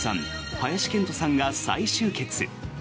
林遣都さんが再集結！